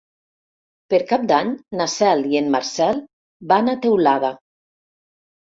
Per Cap d'Any na Cel i en Marcel van a Teulada.